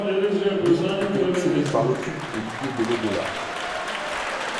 Meek était obsédé par l'occulte et l'idée de l'au-delà.